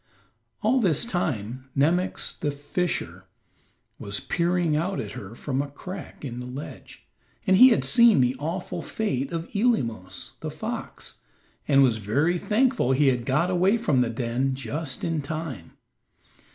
All this time, Nemox, the fisher, was peering out at her from a crack in the ledge, and he had seen the awful fate of Eelemos, the fox, and was very thankful he had got away from the den just in time.